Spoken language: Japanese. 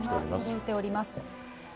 届いております。